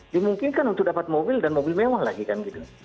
dimungkinkan untuk dapat mobil dan mobil mewah lagi kan gitu